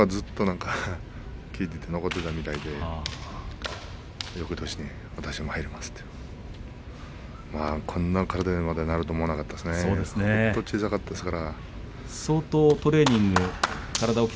そのことばがずっと聞いて残っていたみたいでよくとしに私も入りますとこんな体にまでなると思わなかったですね小さかったですから。